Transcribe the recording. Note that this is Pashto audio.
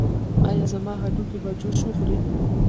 ایا زما هډوکي به جوش وخوري؟